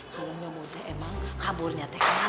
kalau nyomuteh emang kaburnya teh kemana